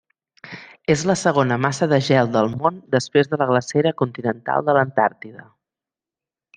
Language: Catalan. És la segona massa de gel del món després de la glacera continental de l'Antàrtida.